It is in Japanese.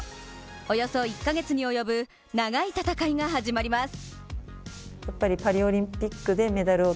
およそ１か月に及ぶ長い戦いが始まります。